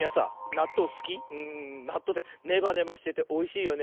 なっとうってネバネバしてておいしいよね。